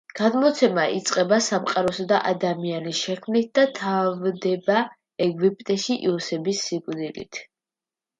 გადმოცემა იწყება სამყაროსა და ადამიანის შექმნით და თავდება ეგვიპტეში იოსების სიკვდილით.